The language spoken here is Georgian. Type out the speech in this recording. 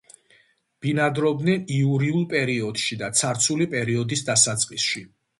ბინადრობდნენ იურულ პერიოდში და ცარცული პერიოდის დასაწყისში.